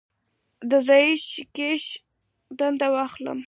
د ځايي کشیش دنده واخلي.